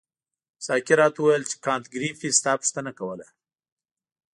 ساقي راته وویل چې کانت ګریفي ستا پوښتنه کوله.